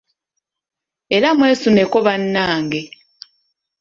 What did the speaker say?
Era mwesuneko bannange.